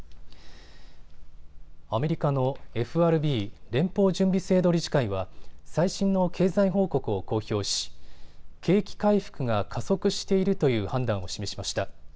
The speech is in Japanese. アメリカのＦＲＢ・連邦準備制度理事会は最新の経済報告を公表し景気回復が加速しているという判断を示しました。